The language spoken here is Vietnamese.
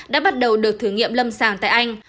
đã bắt đầu được thử nghiệm lâm sàng tại anh